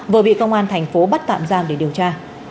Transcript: vừa bị công an thành phố bắt tạm giam để điều tra